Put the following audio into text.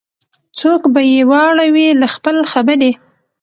څوک به یې واړوي له خپل خبري